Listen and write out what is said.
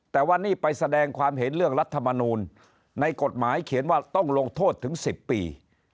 แต่วันนี้ไปแสดงความเห็นเรื่องรัฐมนูลในกฎหมายเขียนว่าต้องลงโทษถึง๑๐ปี